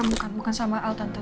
bukan sama al tante